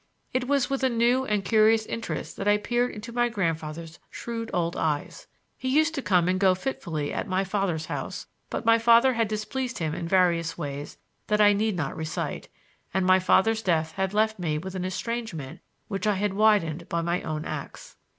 It was with a new and curious interest that I peered into my grandfather's shrewd old eyes. He used to come and go fitfully at my father's house; but my father had displeased him in various ways that I need not recite, and my father's death had left me with an estrangement which I had widened by my own acts.